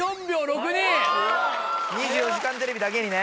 『２４時間テレビ』だけにね。